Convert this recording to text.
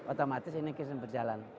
otomatis ini kesempatan berjalan